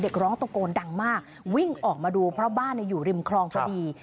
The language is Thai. ร้องตะโกนดังมากวิ่งออกมาดูเพราะบ้านอยู่ริมคลองพอดี